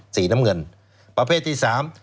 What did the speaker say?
สีน้ำเงินประเภทที่สาม